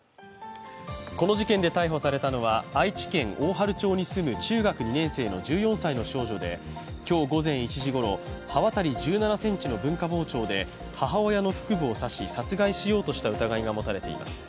この事件で逮捕されたのは愛知県大治町に住む中学２年生の１４歳の少女で今日午前１時ごろ、刃渡り１７ｃｍの文化包丁で母親の腹部を刺し殺害しようとした疑いが持たれています。